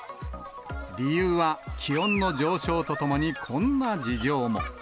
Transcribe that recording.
理由は、気温の上昇とともに、こんな事情も。